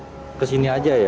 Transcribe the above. buang kesini aja ya